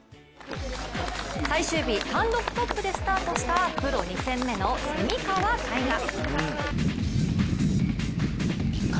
最終日、単独トップでスタートしたプロ２戦目の蝉川泰果。